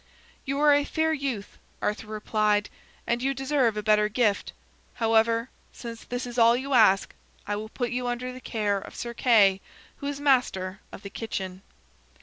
"You are a fair youth," Arthur replied, "and you deserve a better gift. However, since this is all you ask, I will put you under the care of Sir Kay, who is master of the kitchen."